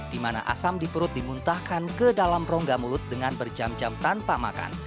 di mana asam di perut dimuntahkan ke dalam rongga mulut dengan berjam jam tanpa makan